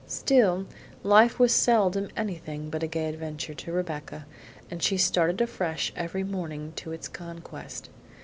Still, life was seldom anything but a gay adventure to Rebecca, and she started afresh every morning to its conquest.